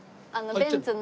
ベンツの。